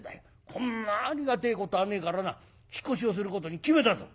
こんなありがてえことはねえからな引っ越しをすることに決めたぞ」。